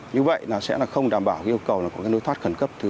như vậy sẽ không đảm bảo yêu cầu có nối thoát khẩn cấp thứ hai